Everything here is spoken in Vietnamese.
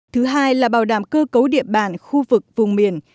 thứ hai là bảo đảm cơ cấu địa bàn khu vực vùng miền